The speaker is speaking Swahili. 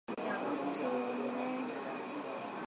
tumemaliza kuandika